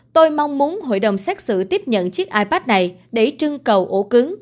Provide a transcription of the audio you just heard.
tôi mong muốn hội đồng xét xử tiếp nhận chiếc ipad này để trưng cầu ổ cứng